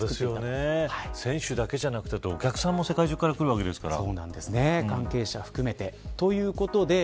選手だけなくてお客さんも世界中から来るわけですから。